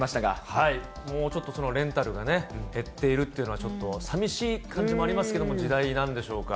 もうちょっとそのレンタルが減っているっていうのは、寂しい感じもありますけど、時代なんでしょうか。